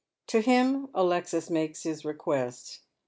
To him Alexis makes his request.